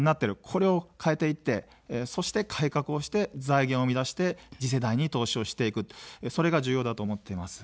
これを変えていって、そして改革をして、財源を生み出して次世代に投資をしていく、それが重要だと思っています。